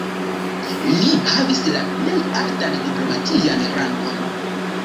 Li havis la plej altan diplomatian rangon.